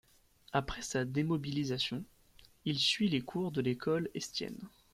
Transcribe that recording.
Après sa démobilisation, il suit les cours de l'École Estienne.